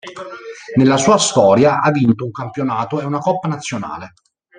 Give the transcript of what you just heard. Nella sua storia ha vinto un campionato e una coppa nazionale.